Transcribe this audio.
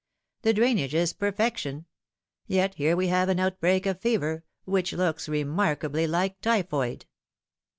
The drainage is perfection yet here we have an outbreak of fever, which looks remarkably like typhoid."